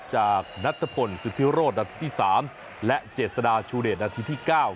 จากนัทธพลสุธิโรธนัทธิ๓และเจษฎาชูเดชนัทธิ๙